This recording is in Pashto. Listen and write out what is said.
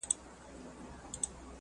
د لستوڼي مار ,